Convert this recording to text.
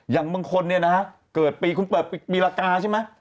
อย่างบางคนเนี่ยนะฮะเกิดปีคุณเปิดปีรากาใช่ไหม